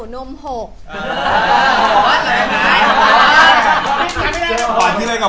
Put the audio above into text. จูบเลยก็ได้นะคะ